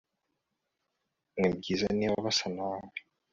Nibyiza niba basa nawe